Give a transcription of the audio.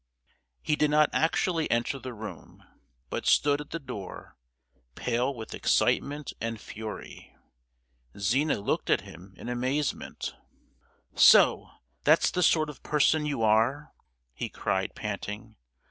He did not actually enter the room, but stood at the door, pale with excitement and fury. Zina looked at him in amazement. "So that's the sort of person you are!" he cried panting.